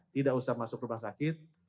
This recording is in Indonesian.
tidak usah masuk rumah sakit